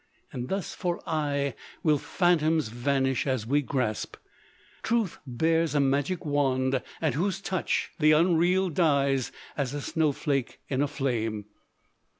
And thus for aye will phantoms vanish as we grasp. Truth bears a magic wand at whose touch the unreal dies as a snowflake in a flame.